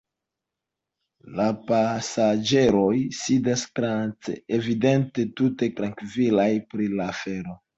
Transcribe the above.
La pasaĝeroj sidas trance, evidente tute trankvilaj pri la afero.